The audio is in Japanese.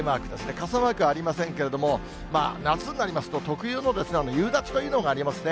傘マークはありませんけれども、夏になりますと、特有の夕立というのがありますね。